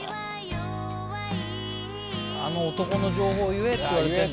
「あの男の情報言え」って言われてる。